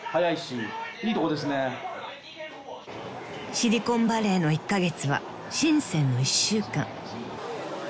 ［「シリコンバレーの１カ月は深の１週間」］